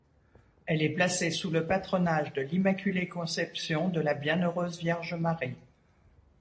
Elle est placée sous le patronage de l'Immaculée Conception de la Bienheureuse Vierge Marie.